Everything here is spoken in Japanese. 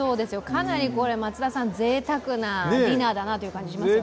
おいしそうですよ、かなり松田さん、ぜいたくなディナーだなという感じがしますけど。